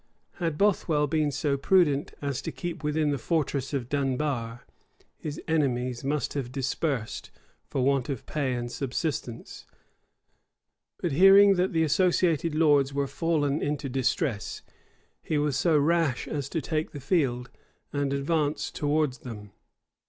Had Bothwell been so prudent as to keep within the fortress of Dunbar, his enemies must have dispersed for want of pay and subsistence; but hearing that the associated lords were fallen into distress, he was so rash as to take the field, and advance towards them.